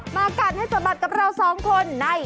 มากัดให้สบัดกับเรา๒คนใน